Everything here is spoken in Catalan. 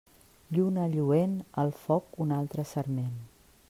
Lluna lluent, al foc un altre sarment.